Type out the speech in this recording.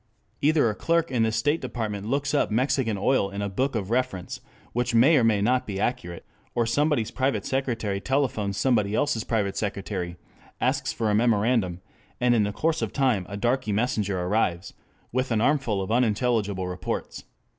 Either a clerk in the State Department looks up Mexican oil in a book of reference, which may or may not be accurate, or somebody's private secretary telephones somebody else's private secretary, asks for a memorandum, and in the course of time a darkey messenger arrives with an armful of unintelligible reports.